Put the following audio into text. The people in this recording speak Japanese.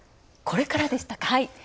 これからでしたか。